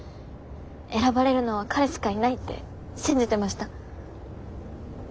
選ばれるのは彼しかいないって信じてました。